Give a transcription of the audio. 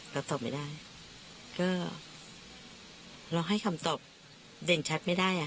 ก็เราให้คำตอบเด่นชัดไม่ได้